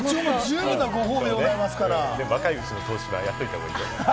若いうちの投資はやっといたほうがいいよ。